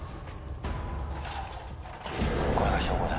「これが証拠だ」